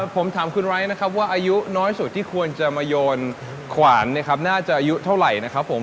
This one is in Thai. ผมถามคุณไร้นะครับว่าอายุน้อยสุดที่ควรจะมาโยนขวานนะครับน่าจะอายุเท่าไหร่นะครับผม